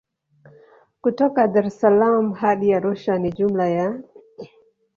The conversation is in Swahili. Kutoka Daressalaam hadi Arusha ni jumla ya